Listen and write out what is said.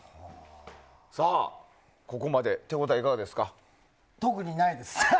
さあ、ここまで手応えはいかがですか？